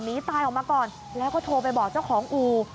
หนีตายออกมาก่อนแล้วก็โทรไปบอกเจ้าของอู่